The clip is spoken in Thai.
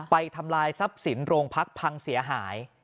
ทำลายทรัพย์สินโรงพักพังเสียหาย